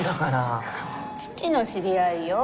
父の知り合いよ。